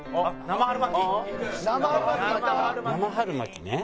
生春巻きね。